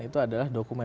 itu adalah dokumen